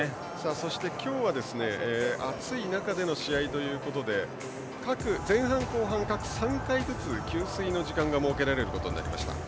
そして今日は暑い中での試合ということで前半、後半で各３回ずつ給水の時間が設けられることになりました。